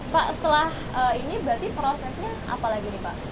pak setelah ini berarti prosesnya apa lagi nih pak